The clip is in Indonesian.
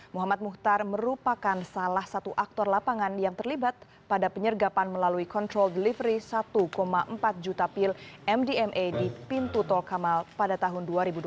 muhammad muhtar merupakan salah satu aktor lapangan yang terlibat pada penyergapan melalui kontrol delivery satu empat juta pil mdma di pintu tol kamal pada tahun dua ribu dua puluh